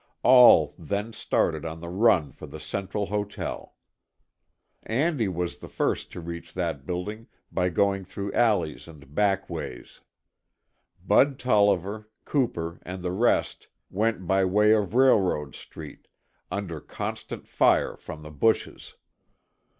All then started on the run for the Central Hotel. Andy was the first to reach that building by going through alleys and back ways. Bud Tolliver, Cooper and the rest went by way of Railroad Street, under constant fire from the bushes.